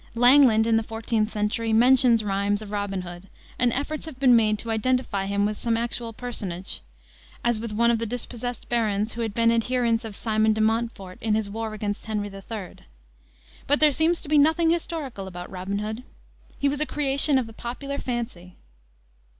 Langland, in the 14th century, mentions "rimes of Robin Hood," and efforts have been made to identify him with some actual personage, as with one of the dispossessed barons who had been adherents of Simon de Montfort in his war against Henry III. But there seems to be nothing historical about Robin Hood. He was a creation of the popular fancy.